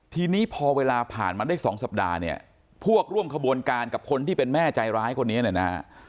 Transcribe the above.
ทีนี้พอเวลาผ่านมาได้สองสัปดาห์เนี่ยพวกร่วมขบวนการกับคนที่เป็นแม่ใจร้ายคนนี้เนี่ยนะฮะ